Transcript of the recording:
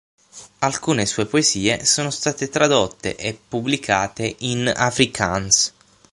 Alcune sue poesie sono state tradotte e pubblicate in afrikaans.